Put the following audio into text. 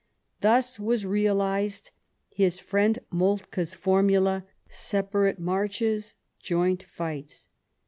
Thus was realized his friend Moltke's formula — Separate marches, joint fights.